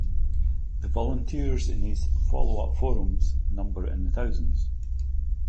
The volunteers in these "Follow-up Forums" number in the thousands.